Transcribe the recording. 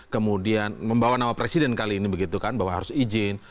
kemudian membawa nama presiden kali ini begitu kan bahwa harus izin